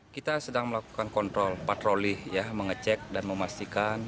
kita sedang melakukan kontrol patroli ya mengecek dan memastikan